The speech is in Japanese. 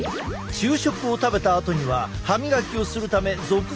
昼食を食べたあとには歯みがきをするため続々とお手洗いへ。